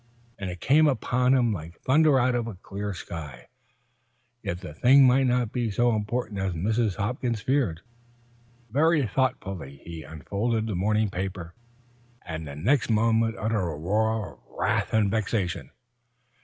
And it came upon him like thunder out of a clear sky. Yet the thing might not be so important as Mrs. Hopkins feared. Very thoughtfully he unfolded the morning paper, and the next moment uttered a roar of wrath and vexation.